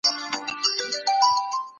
لس منفي اته؛ دوه کېږي.